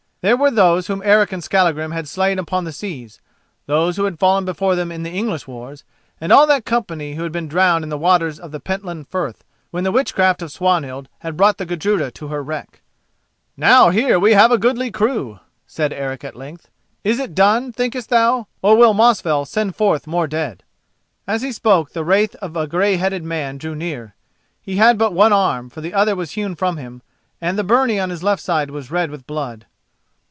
There were those whom Eric and Skallagrim had slain upon the seas, those who had fallen before them in the English wars, and all that company who had been drowned in the waters of the Pentland Firth when the witchcraft of Swanhild had brought the Gudruda to her wreck. "Now here we have a goodly crew," said Eric at length. "Is it done, thinkest thou, or will Mosfell send forth more dead?" As he spoke the wraith of a grey headed man drew near. He had but one arm, for the other was hewn from him, and the byrnie on his left side was red with blood.